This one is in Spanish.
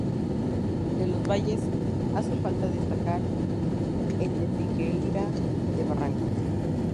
De los valles hace falta destacar el de Filgueira de Barranca.